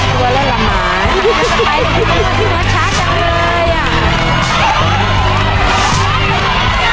ครอบครัวของแม่ปุ้ยจังหวัดสะแก้วนะครับ